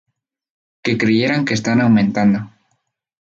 que creyeran que están aumentando